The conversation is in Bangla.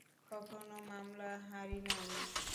কখনো মামলা হারি না আমি।